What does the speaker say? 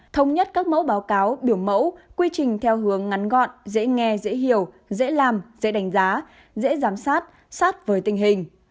thống nhất các mẫu báo cáo biểu mẫu quy trình theo hướng ngắn gọn dễ nghe dễ hiểu dễ làm dễ đánh giá dễ giám sát sát với tình hình